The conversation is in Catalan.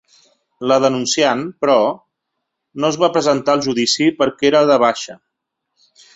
La denunciant, però, no es va presentar al judici perquè era de baixa.